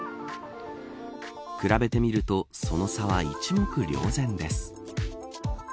比べてみるとその差は一目瞭然です。